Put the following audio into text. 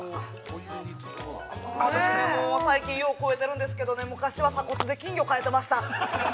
◆私ね、もう、最近よう肥えているんですけど、昔は鎖骨で金魚飼えていました。